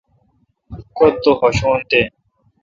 کتہ تو خوشون تہ۔